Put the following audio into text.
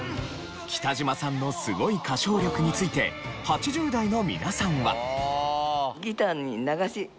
北島さんのすごい歌唱力について８０代の皆さんは。